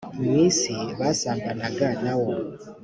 mu isi basambanaga na wo